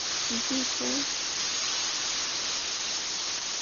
জ্বী, স্যার?